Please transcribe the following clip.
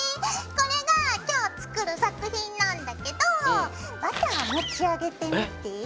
これが今日作る作品なんだけどバター持ち上げてみて。